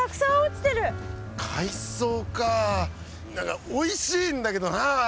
海藻かおいしいんだけどな。